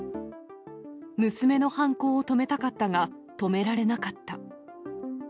娘の犯行を止めたかったが、止められなかった。